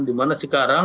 di mana sekarang